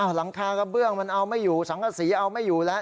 หลังคากระเบื้องมันเอาไม่อยู่สังกษีเอาไม่อยู่แล้ว